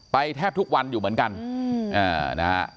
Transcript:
ไปแทบทุกวันอยู่เหมือนกันอืมอ่านะฮะ